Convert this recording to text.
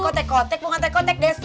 kotek kotek bukan tekotek deset